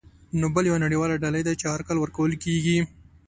نوبل یوه نړیواله ډالۍ ده چې هر کال ورکول کیږي.